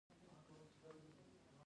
عمر فاروق په عدل او انصاف کي ضَرب مثل دی